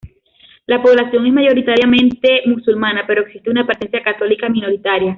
La población es mayoritariamente musulmana, pero existe una presencia católica minoritaria.